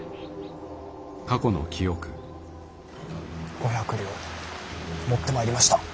５００両持ってまいりました。